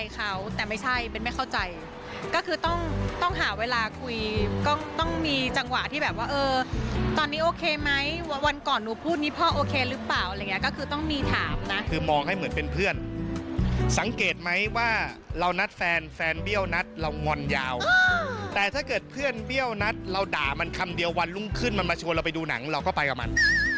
คือต้องมีถามนะคือมองให้เหมือนเป็นเพื่อนสังเกตไหมว่าเรานัดแฟนแฟนเบี้ยวนัดเรางอนยาวแต่ถ้าเกิดเพื่อนเบี้ยวนัดเราด่ามันคำเดียววันลุ่มขึ้นมามาชวนเราไปดูหนังเราก็ไปกับมัน